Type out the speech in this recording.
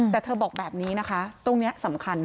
แต่เธอบอกแบบนี้นะคะตรงนี้สำคัญ